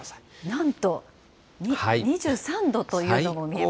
なんと、２３度というのも見えます。